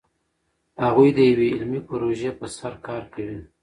هغوی د یوې علمي پروژې په سر کار کوي.